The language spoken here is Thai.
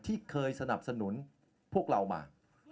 ที่เคยสนับสนุนพวกเรามา